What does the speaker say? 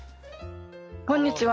こんにちは。